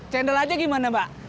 cendol aja gimana mbak